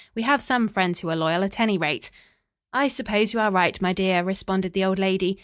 We have some friends who are loyal, at any rate." "I suppose you are right, my dear," responded the old lady.